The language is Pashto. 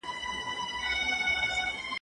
د پلار د انديښنې رفع کولو کوښښ ئې وکړ.